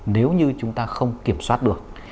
nếu như chúng ta không kiểm soát được